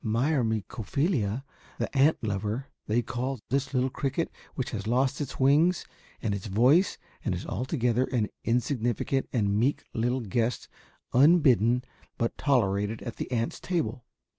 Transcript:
"Myrmecophila, the ant lover, they call this little cricket which has lost its wings and its voice and is altogether an insignificant and meek little guest unbidden but tolerated at the ant's table.